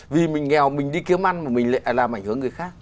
vì mình nghèo mình đi kiếm ăn mà mình lại làm ảnh hưởng người khác